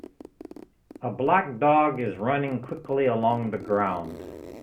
A black dog is running quickly along the ground